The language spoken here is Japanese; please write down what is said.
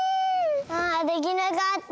あできなかった。